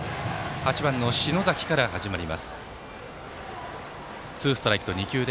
８番の篠崎から始まります。